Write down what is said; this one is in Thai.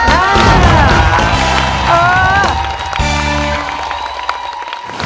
แล้ววันนี้ผมมีสิ่งหนึ่งนะครับเป็นตัวแทนกำลังใจจากผมเล็กน้อยครับ